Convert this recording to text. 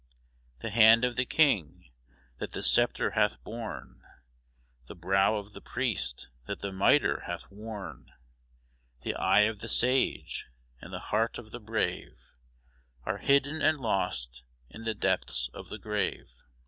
] The hand of the king that the sceptre hath borne, The brow of the priest that the mitre hath worn, The eye of the sage, and the heart of the brave, Are hidden and lost in the depths of the grave.